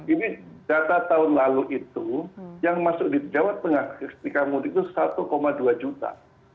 ini data tahun lalu itu yang masuk di jawa tengah ketika mudik itu satu dua juta